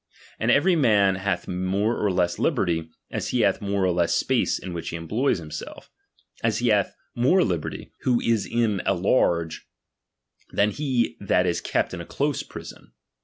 And every man hath more or less liberty, as he hath more or less space in which he employs himself: as he hath more liberty, who is in a large, than he that is kept in a close prison.